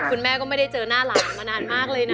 คุณแม่ก็ไม่ได้เจอหน้าหลานมานานมากเลยนะ